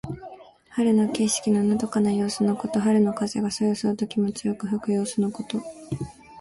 春の景色ののどかな様子のこと。春の風がそよそよと気持ちよく吹く様子のこと。